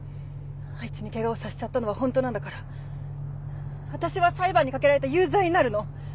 あいつに怪我をさせちゃったのは本当なんだから私は裁判にかけられて有罪になるの。